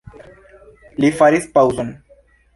Li faris paŭzon.